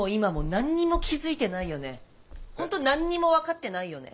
ほんと何にも分かってないよね。